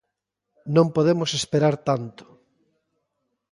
Non podemos esperar tanto.